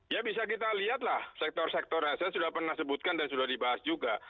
ya bisa kita lihatlah sektor sektor yang saya sudah pernah sebutkan dan sudah dibahas juga